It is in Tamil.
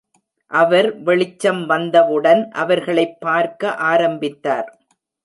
அவர் வெளிச்சம் வந்தவுடன் அவர்களைப் பார்க்க ஆரம்பித்தார்.